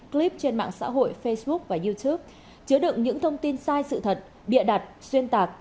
clip trên mạng xã hội facebook và youtube chứa đựng những thông tin sai sự thật bịa đặt xuyên tạc